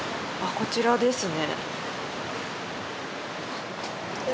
こちらですね。